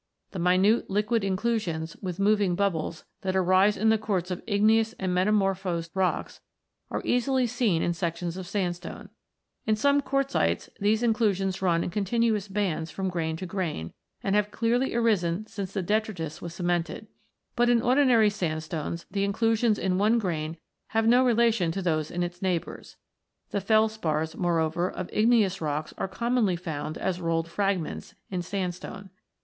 The minute liquid inclusions, with moving bubbles, that arise in the quartz of igneous and metamorphosed rocks, are easily seen in sections of sandstone. In some quartz ites, these inclusions run in continuous bands from grain to grain, and have clearly arisen since the detritus was cemented. But in ordinary sandstones the inclusions in one grain have no relation to those in its neighbours. The felspars, moreover, of igneous rocks are commonly found, as rolled fragments, in sandstone.